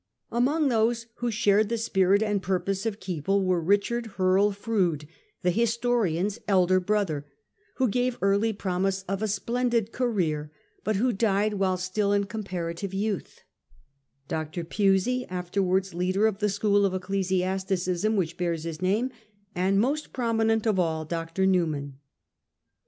Among those who shared the spirit and purpose of Keble were Richard Hurrell Froude, the historian's elder brother, who gave rich promise of a splendid career, but who died while still in comparative youth ; Dr. Pusey, after wards leader of the school of ecclesiasticism which bears his name; and, most eminent of all, Dr. Newman.